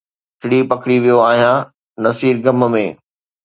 ٽڙي پکڙي ويو آهيان، نصير غم ۾